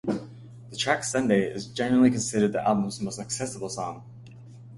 The track "Sunday" is generally considered the album's most accessible song.